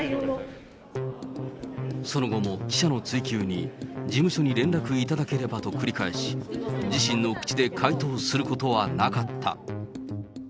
その後も記者の追及に、事務所に連絡いただければと繰り返し、自身の口で回答することはなかった。